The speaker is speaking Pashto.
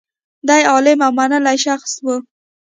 دی عالم او منلی شخص و.